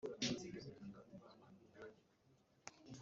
hagaragaza iki ku byo kuba warishe